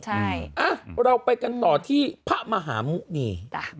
ใช่เราไปกันต่อที่พระมหาหมุณี